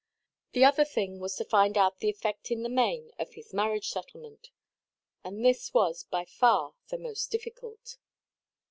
The other thing was to find out the effect in the main of his marriage–settlement. And this was by far the more difficult.